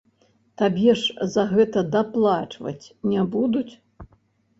Табе ж за гэта даплачваць не будуць!